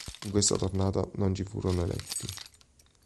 In questa tornata non ci furono eletti.